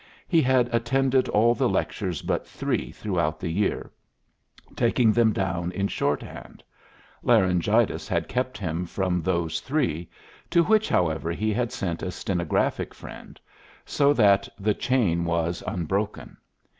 He had attended all the lectures but three throughout the year, taking them down in short hand. Laryngitis had kept him from those three, to which however, he had sent a stenographic friend so that the chain was unbroken.